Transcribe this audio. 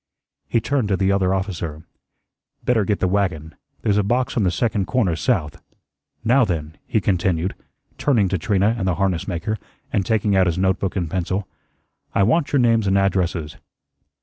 He turned to the other officer. "Better get the wagon. There's a box on the second corner south. Now, then," he continued, turning to Trina and the harness maker and taking out his note book and pencil, "I want your names and addresses."